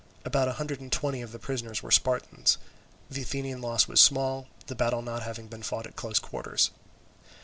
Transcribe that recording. About a hundred and twenty of the prisoners were Spartans. The Athenian loss was small, the battle not having been fought at close quarters.